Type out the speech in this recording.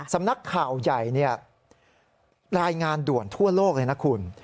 สำนักข่าวใหญ่รายงานด่วนทั่วโลกเลยนะคุณ